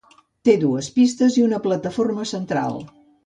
Té dues pistes i una plataforma central.